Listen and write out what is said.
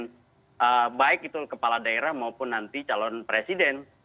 dan juga dibebas oleh para pemimpin baik itu kepala daerah maupun nanti calon presiden